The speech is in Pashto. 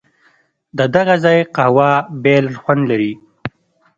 ددغه ځای قهوه بېل خوند لري.